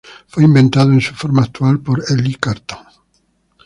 Fue inventado, en su forma actual, por Élie Cartan.